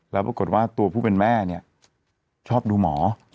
แล้วปรากฏว่าตัวผู้เป็นแม่เนี่ยชอบดูหมอ